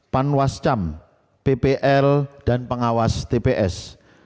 ppp ppp dan pps